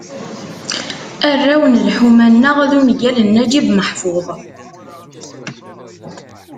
"Arraw n lḥuma-nneɣ" d ungal n Naǧib Meḥfuḍ.